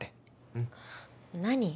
うん何？